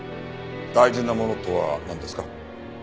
大事なものとはなんですか？